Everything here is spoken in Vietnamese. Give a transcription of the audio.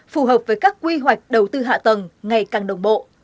phù hợp với các quy hoạch đầu tư hạ tầng ngày càng đồng bộ